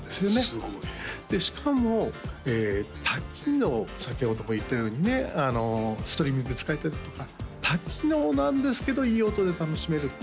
すごいでしかも多機能先ほども言ったようにねストリーミングで使えたりとか多機能なんですけどいい音で楽しめるっていうのがね